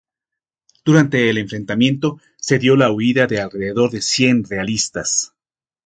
Durante el enfrentamiento se dio la huida de alrededor de cien realistas.